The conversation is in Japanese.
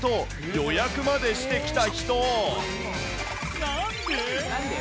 予約までしてきた人。